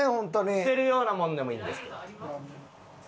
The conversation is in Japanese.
捨てるようなもんでもいいんで。